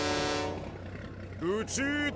ルチータ！